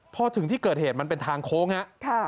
พอถึงที่เกิดเหตุมันเป็นทางโค้งฮะ